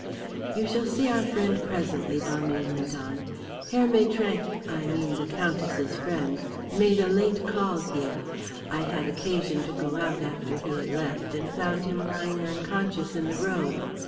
"You shall see our friend presently," Balmayne went on. "Herr Maitrank I mean the Countess's friend made a late call here. I had occasion to go out after he had left and found him lying unconscious in the road.